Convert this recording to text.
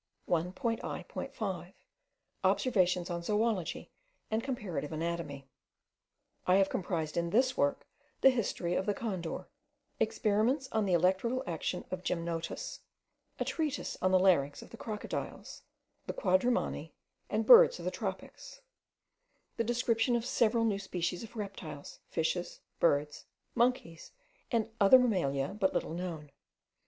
1.I.5. OBSERVATIONS ON ZOOLOGY AND COMPARATIVE ANATOMY. I have comprised in this work the history of the condor; experiments on the electrical action of the gymnotus; a treatise on the larynx of the crocodiles, the quadrumani, and birds of the tropics; the description of several new species of reptiles, fishes, birds, monkeys, and other mammalia but little known.